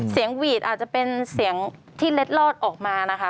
หวีดอาจจะเป็นเสียงที่เล็ดลอดออกมานะคะ